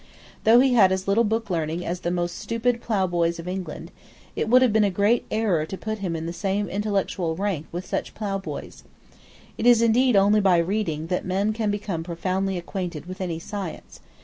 Though he had as little booklearning as the most stupid ploughboys of England, it would have been a great error to put him in the same intellectual rank with such ploughboys. It is indeed only by reading that men can become profoundly acquainted with any science.